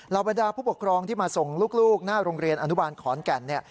บรรดาผู้ปกครองที่มาส่งลูกหน้าโรงเรียนอนุบาลขอนแก่นเนี่ย